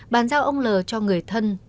bàn giao ông l cho người thân